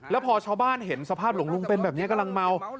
แล้วพอชาวบ้านเห็นสภาพหลวงลุงเป็นแบบนี้กำลังเมา